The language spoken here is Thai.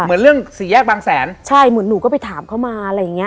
เหมือนเรื่องสี่แยกบางแสนใช่เหมือนหนูก็ไปถามเขามาอะไรอย่างเงี้